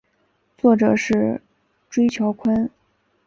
作者是椎桥宽。